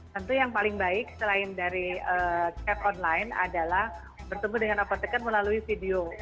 tentu yang paling baik selain dari chat online adalah bertemu dengan apotekar melalui video